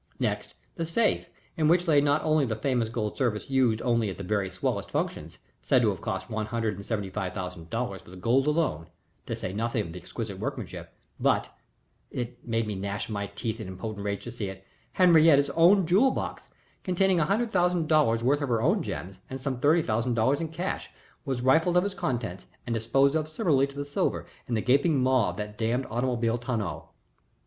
Next the safe in which lay not only the famous gold service used only at the very swellest functions, said to have cost one hundred and seventy five thousand dollars for the gold alone, to say nothing of the exquisite workmanship, but it made me gnash my teeth in impotent rage to see it Henriette's own jewel box containing a hundred thousand dollars worth of her own gems and some thirty thousand dollars in cash, was rifled of its contents and disposed of similarly to the silver in the gaping maw of that damned automobile tonneau.